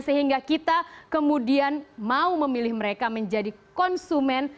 sehingga kita kemudian mau memilih mereka menjadi konsumen